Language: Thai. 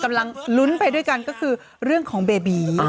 กำลังลุ้นไปด้วยกันก็คือเรื่องของเบบี